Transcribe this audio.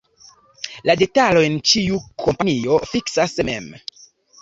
La detalojn ĉiu kompanio fiksas mem.